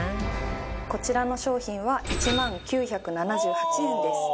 こちらの商品は１万９７８円です。